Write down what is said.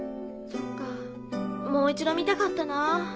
そっかもう一度見たかったなぁ。